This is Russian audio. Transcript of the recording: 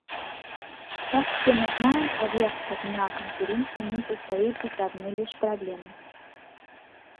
Как все мы знаем, повестка дня Конференции не состоит из одной лишь проблемы.